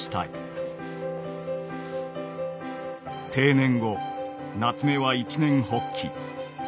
定年後夏目は一念発起。